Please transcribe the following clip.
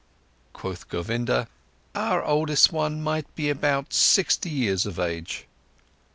Quoth Govinda: "Our oldest one might be about sixty years of age."